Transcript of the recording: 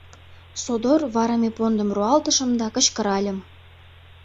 Содор варыме пондым руалтышым да кычкыральым.